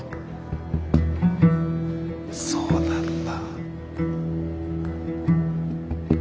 そうなんだ。